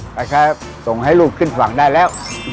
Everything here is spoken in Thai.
นะครับส่งให้ลูกขึ้นฝั่งได้แล้ว